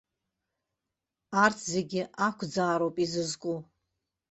Арҭ зегь ақәӡаароуп изызку.